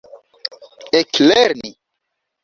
eklerni